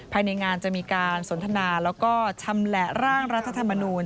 ภายในงานจะมีการสนทนาแล้วก็ชำแหละร่างรัฐธรรมนูล